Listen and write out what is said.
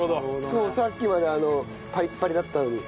そうさっきまでパリッパリだったのに。